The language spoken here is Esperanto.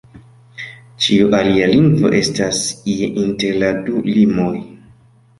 Ĉiu alia lingvo estas ie inter la du limoj.